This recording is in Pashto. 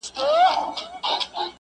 زه به دي تل په ياد کي وساتمه.